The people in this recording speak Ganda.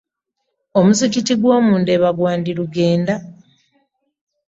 Omuzikiti gw'omu Ndeeba gwandirugenda.